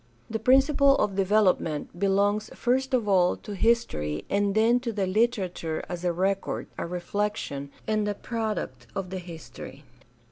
The principle of develop ment belongs first of all to history and then to the literature as a record, a reflection, and a product of the history.